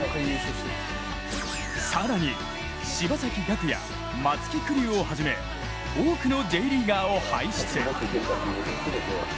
更に、柴崎岳や松木玖生をはじめ多くのＪリーガーを輩出。